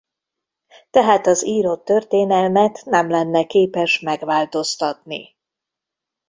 Tehát az írott történelmet nem lenne képes megváltoztatni.